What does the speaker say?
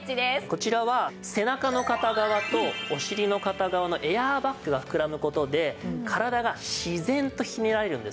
こちらは背中の片側とお尻の片側のエアーバッグが膨らむ事で体が自然とひねられるんですよね。